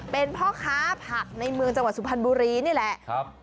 เป็นพ่อค้าผักในเมืองจังหวัดสุพรรณบุรีนี่แหละ